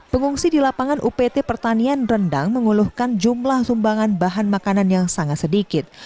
pengungsi di lapangan upt pertanian rendang mengeluhkan jumlah sumbangan bahan makanan yang sangat sedikit